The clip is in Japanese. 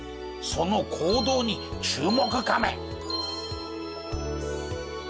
その行動に注目カメ。